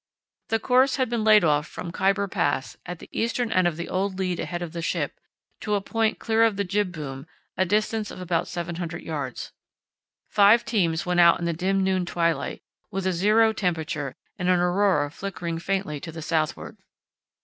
The course had been laid off from Khyber Pass, at the eastern end of the old lead ahead of the ship, to a point clear of the jib boom, a distance of about 700 yds. Five teams went out in the dim noon twilight, with a zero temperature and an aurora flickering faintly to the southward.